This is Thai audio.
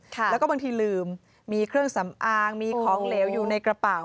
แล้วก็บางทีลืมมีเครื่องสำอางมีของเหลวอยู่ในกระเป๋า